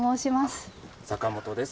あ坂本です。